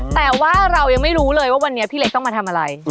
แต่ว่าเรายังไม่รู้เลยว่าวันนี้พี่เล็กต้องมาทำอะไร